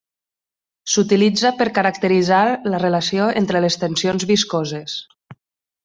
S'utilitza per caracteritzar la relació entre les tensions viscoses.